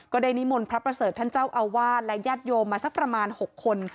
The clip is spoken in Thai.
ก็ใดนี้มนต์พระเภอเจ้าอาวาสและญาติโยมมาสักประมาณ๖คน